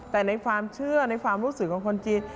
แต่ในความเชื่อในความรู้สึกของคนจีน